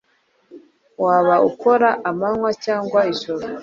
Waba ukora amanywa cyangwa ijoro